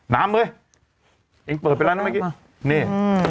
น้ำเว้ยเองเปิดไปแล้วนะเมื่อกี้